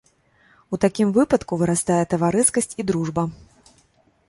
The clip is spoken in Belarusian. У такім выпадку вырастае таварыскасць і дружба.